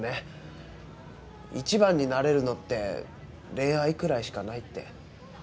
一番になれるのって恋愛くらいしかないって。